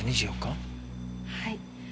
はい。